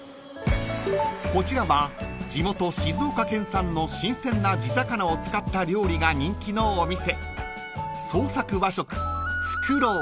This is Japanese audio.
［こちらは地元静岡県産の新鮮な地魚を使った料理が人気のお店］